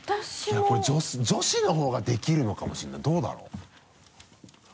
いやこれ女子の方ができるのかもしれないどうだろう？